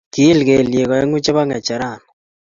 kiil kelyek oeng' chebo ng'echerani